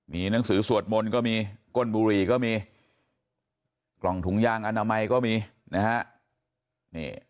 มีหนังสือสวดมนต์ก็มีก้นบุหรี่ก็มีกล่องถุงยางอนามัยก็มีนะฮะ